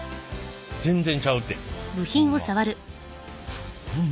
全然ちゃうってホンマ。